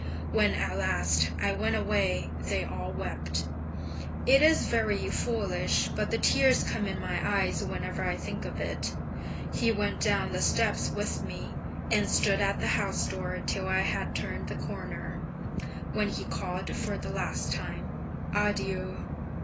When at last I went away they all wept. It is very foolish, but the tears come in my eyes whenever I think of it. He went down the steps with me, and stood at the house door till I had turned the corner, when he called for the last time, "Adieu!"